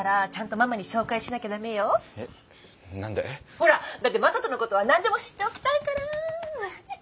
ほらだって正門のことは何でも知っておきたいから！